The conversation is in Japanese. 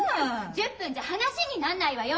１０分じゃ話になんないわよ！